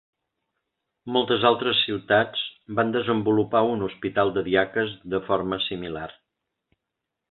Moltes altres ciutats van desenvolupar un hospital de diaques de forma similar.